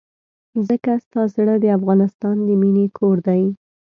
ځکه ستا زړه د افغانستان د مينې کور دی.